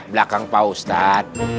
belakang pak ustaz